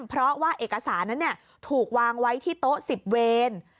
เพราะว่าเอกสารนั้นถูกวางไว้ที่โต๊ะ๑๐เวร